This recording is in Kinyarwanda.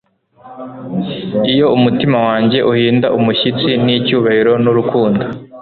iyo umutima wanjye uhinda umushyitsi n'icyubahiro n'urukundo